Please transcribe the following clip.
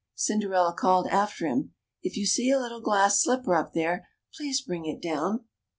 Cinderella called after him, " If you see a little glass slipper up there, please bring it down."